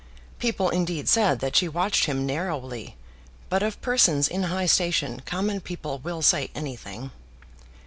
People indeed said that she watched him narrowly, but of persons in high station common people will say anything.